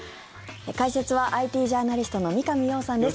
解説はＩＴジャーナリストの三上洋さんです。